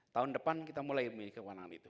tahun depan kita mulai memiliki kewenangan itu